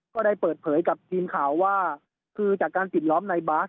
ก็ได้เปิดเผยกับทีมข่าวว่าคือจากการปิดล้อมในบาส